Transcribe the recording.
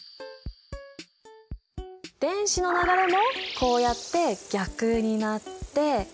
電子の流れもこうやって逆になって。